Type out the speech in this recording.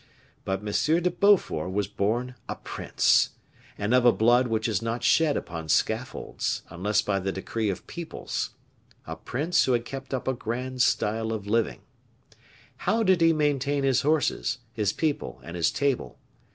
But M. de Beaufort was born a prince, and of a blood which is not shed upon scaffolds, unless by the decree of peoples, a prince who had kept up a grand style of living. How did he maintain his horses, his people, and his table?